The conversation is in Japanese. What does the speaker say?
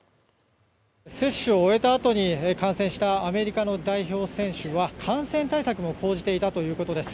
接種を終えたあとに感染したアメリカの代表選手は感染対策も講じていたということです。